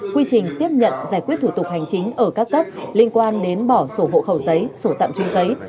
quy trình tiếp nhận giải quyết thủ tục hành chính ở các cấp liên quan đến bỏ sổ hộ khẩu giấy sổ tạm trú giấy